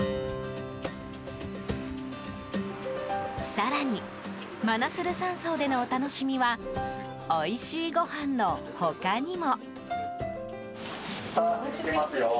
更に、マナスル山荘でのお楽しみはおいしいごはんの他にも。